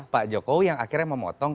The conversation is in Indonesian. pak jokowi yang akhirnya memotong